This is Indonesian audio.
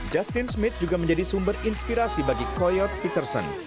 justin smith juga menjadi sumber inspirasi bagi koyot peterson